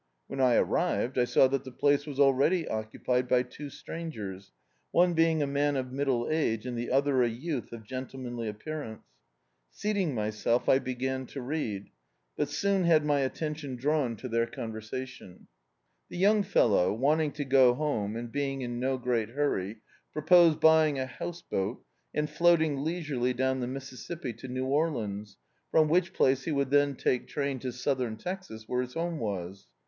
When I arrived I saw that the place was already occupied by two strangers, one being a man of middle age, and the other a youth of gentlemanly appearance. Searing myself, I b^an to read, but soon had my attendon drawn to I "7] D,i.,.db, Google The Autobiography of a Super Tramp their conversation. The young fellow, wanting to go home, and being in no great hurry, proposed buy ing a house boat and floating leisurely down the Mississippi to New Orleans, from which place he would then take train to Southern Texas, where his home was.